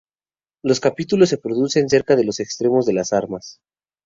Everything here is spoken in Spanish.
Los capítulos se producen cerca de los extremos de las ramas.